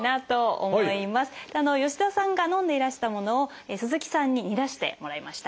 吉田さんがのんでいらしたものを鈴木さんに煮出してもらいました。